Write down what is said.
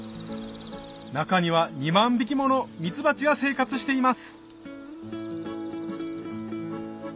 中には２万匹ものミツバチが生活しています